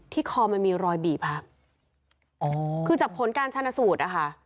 ที่คอมันมีรอยบีบค่ะคือจับพ้นการชั่นสูตรค่ะ